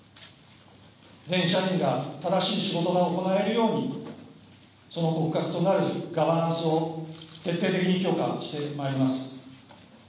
全社員が正しい仕事が行えるようにその骨格となるガバナンスを徹底的に強化してまいります。